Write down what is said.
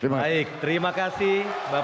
baik terima kasih bapak